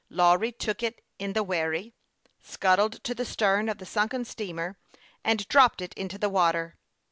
Lawry took it in the wherry, sculled to the stern of the sunken steamer, and dropped it into the water.